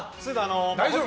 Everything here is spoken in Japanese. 大丈夫？